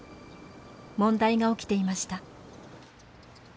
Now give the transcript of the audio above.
問題が起きていました。